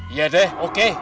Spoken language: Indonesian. iya deh oke